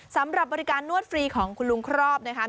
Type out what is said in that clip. สำหรับบริการนวดฟรีของคุณลุงครอบนะคะ